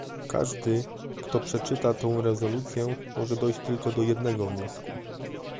Każdy, kto przeczyta tę rezolucję, może dojść tylko do jednego wniosku